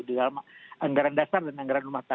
di dalam anggaran dasar dan anggaran rumah tangga